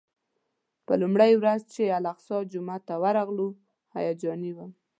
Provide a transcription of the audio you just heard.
په لومړۍ ورځ چې د الاقصی جومات ته ورغلو هیجاني وم.